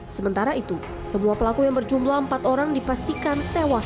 sementara itu semua pelaku yang berjumlah empat orang dipastikan tewas